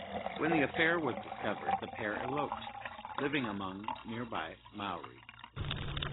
When the affair was discovered the pair eloped, living among nearby Maori.